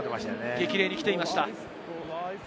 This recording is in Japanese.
激励に来ていました。